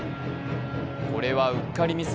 これはうっかりミス。